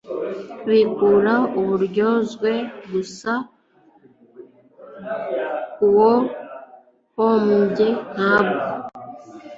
bikura uburyozwe gusa k uwahombye ntabwo